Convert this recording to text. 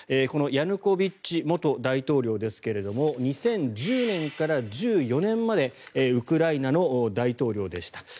このヤヌコビッチ元大統領ですが２０１０年から２０１４年までウクライナの大統領でした。